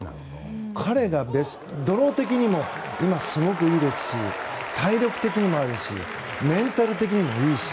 彼、ドロー的にも今すごくいいですし体力的にもあるしメンタル的にもいいし。